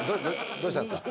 どうしたんですか？